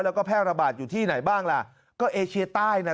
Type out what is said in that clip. แล้วก็แพร่ระบาดอยู่ที่ไหนบ้างล่ะก็เอเชียใต้น่ะ